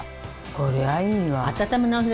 こりゃあいいわ。